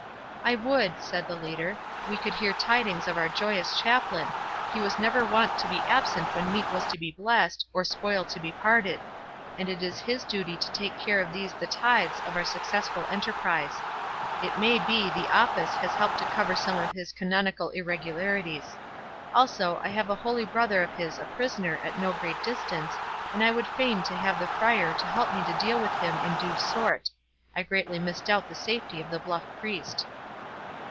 "I would," said the leader, "we could hear tidings of our joyous chaplain—he was never wont to be absent when meat was to be blessed, or spoil to be parted; and it is his duty to take care of these the tithes of our successful enterprise. It may be the office has helped to cover some of his canonical irregularities. Also, I have a holy brother of his a prisoner at no great distance, and I would fain have the Friar to help me to deal with him in due sort—I greatly misdoubt the safety of the bluff priest."